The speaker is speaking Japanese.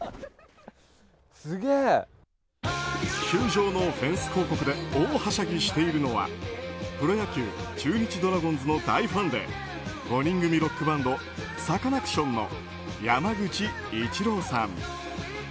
球場のフェンス広告で大はしゃぎしているのはプロ野球中日ドラゴンズの大ファンで５人組ロックバンドサカナクションの山口一郎さん。